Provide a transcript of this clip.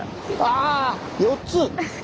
あ４つ！